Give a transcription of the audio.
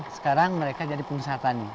sekarang mereka jadi pengusaha tani